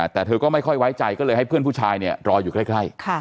แต่เธอก็ไม่ค่อยไว้ใจก็เลยให้เพื่อนผู้ชายเนี่ยรออยู่ใกล้